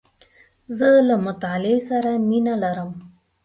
زه له مطالعې سره مینه لرم .